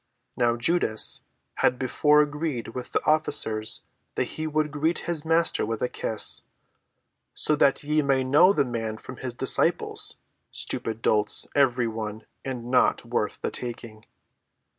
Now Judas had before agreed with the officers that he would greet his Master with a kiss. "So that ye may know the man from his disciples,—stupid dolts every one and not worth the taking."